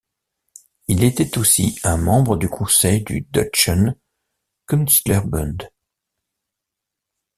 Il était aussi un membre du conseil du Deutschen Künstlerbund.